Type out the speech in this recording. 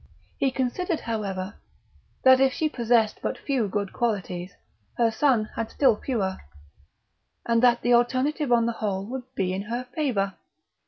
He considered, however, that if she possessed but few good qualities, her son had still fewer; and that the alternative on the whole would be in her favour.